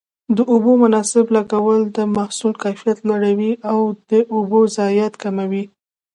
د اوبو مناسب لګول د محصول کیفیت لوړوي او د اوبو ضایعات کموي.